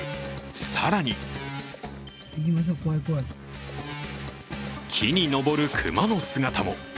更に木に登る熊の姿も。